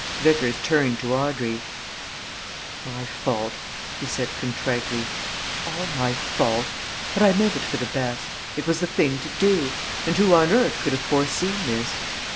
Vickers turned to Audrey. "My fault!" he said contritely. "All my fault! But I meant it for the best it was the thing to do and who on earth could have foreseen this.